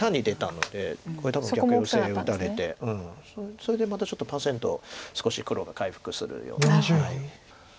それでまたちょっとパーセント少し黒が回復するような。